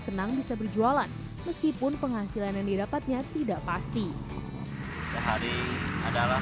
senang bisa berjualan meskipun penghasilan yang didapatnya tidak pasti sehari adalah